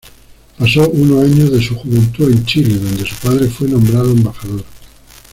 Pasó unos años de su juventud en Chile, donde su padre fue nombrado embajador.